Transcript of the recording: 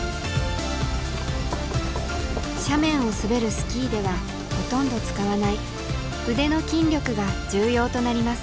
斜面を滑るスキーではほとんど使わない腕の筋力が重要となります。